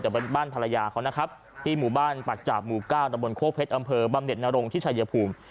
แต่เป็นบ้านภรรยาเขานะครับที่หมู่บ้านปากจาบหมู่เก้าตะบนโคกเพชรอำเภอบำเน็ตนรงที่ชายภูมิ